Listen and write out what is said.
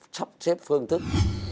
chấp xếp phương thức